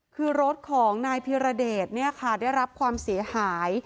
คือรถของนายพิรเดชได้รับความเสียหาย